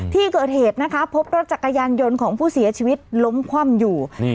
ที่เกิดเหตุนะคะพบรถจักรยานยนต์ของผู้เสียชีวิตล้มคว่ำอยู่